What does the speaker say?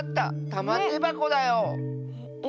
たまてばこだよ。え？